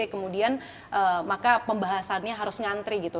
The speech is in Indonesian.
kemudian maka pembahasannya harus ngantri gitu